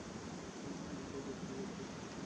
আমি তোমাদের ছেঁড়ে যাওয়া দেখতে পারব না।